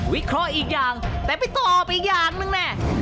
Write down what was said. เคราะห์อีกอย่างแต่ไปตอบอีกอย่างหนึ่งแน่